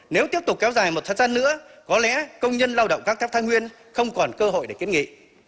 nếu tiếp tục kéo dài một thời gian nữa có lẽ công nhân lao động gác thép thái nguyên không còn cơ hội để kiếm nghị